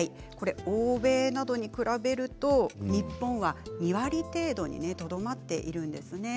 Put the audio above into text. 欧米などに比べると日本は２割程度にとどまっているんです。